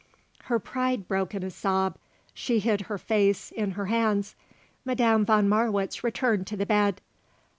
Her pride broke in a sob. She hid her face in her hands. Madame von Marwitz returned to the bed.